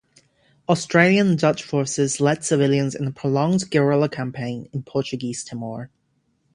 Australian and Dutch forces led civilians in a prolonged guerrilla campaign in Portuguese Timor.